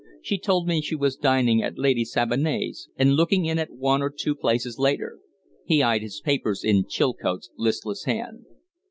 She told me she was dining at Lady Sabinet's, and looking in at one or two places later." He eyed his papers in Chilcote's listless hand.